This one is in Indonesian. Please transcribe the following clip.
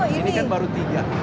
ini kan baru tiga